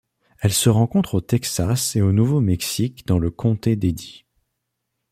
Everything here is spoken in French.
Elle se rencontre au Texas et au Nouveau-Mexique dans le comté d’Eddy.